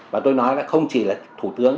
và tôi nói là không chỉ là thủ tướng